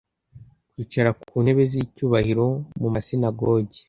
kwicara ku ntebe z icyubahiro mu masinagogi